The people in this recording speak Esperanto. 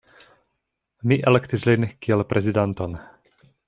Mi elektis lin kiel prezidanton.